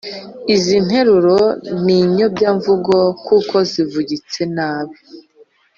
Izi nteruro ni nyobyamvugo kuko zivugitse nabi